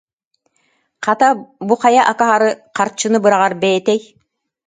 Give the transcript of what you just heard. «Хата, бу хайа акаары харчыны быраҕар бэйэтэй